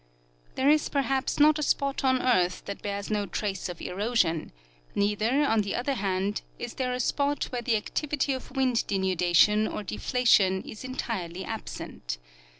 There is perhaps not a spot on earth that bears no trace of erosion ; neither, on the other hand, is there a spot where the activity of wind denudation or deflation is en tirely absent.